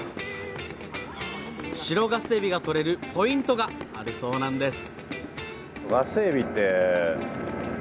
白ガスエビが取れるポイントがあるそうなんです